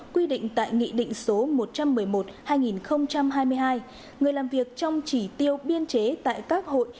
quy định tại nghị định số một trăm một mươi một hai nghìn hai mươi hai người làm việc trong chỉ tiêu biên chế tại các hội